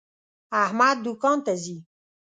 احمد دوکان ته ځي.